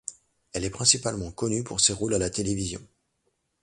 Elle est principalement connue pour ses rôles à la télévision.